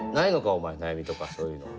お前悩みとかそういうの。